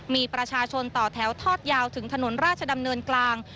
มีประชาชนต่อแถวทอดยาวถึงถนนราชดำเนินกลาง